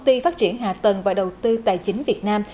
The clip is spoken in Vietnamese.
để phát triển hạ tầng và đầu tư tài chính việt nam